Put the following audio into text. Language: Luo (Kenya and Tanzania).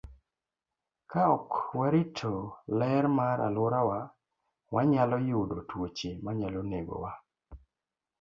Ka ok warito ler mar alworawa, wanyalo yudo tuoche manyalo negowa.